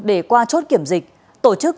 để qua chốt kiểm dịch tổ chức